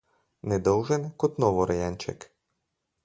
Nedolžen kot novorojenček.